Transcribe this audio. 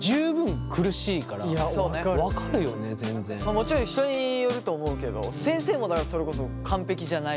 もちろん人によると思うけど先生もだからそれこそ完璧じゃないから。